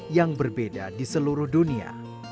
yang berbeda di seluruh dunia